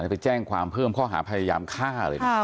ไปแจ้งความเพิ่มข้อหาพยายามฆ่าเลยนะ